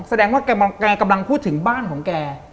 แสดงว่าแกกำลังพูดถึงบ้านของแก